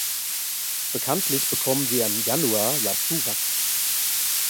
Bekanntlich bekommen wir im Januar ja Zuwachs.